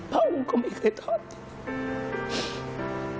พระองค์ก็ไม่เคยทอดจริง